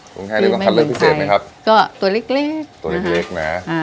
คุ้งแห้งได้ต้องคัดเลือกพิเศษไหมครับก็ตัวเล็กนะฮะตัวเล็กนะฮะอ่า